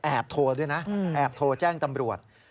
โทรด้วยนะแอบโทรแจ้งตำรวจ